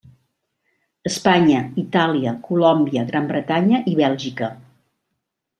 Espanya, Itàlia, Colòmbia, Gran Bretanya i Bèlgica.